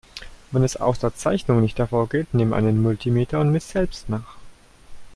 Wenn es aus der Zeichnung nicht hervorgeht, nimm ein Multimeter und miss selbst nach.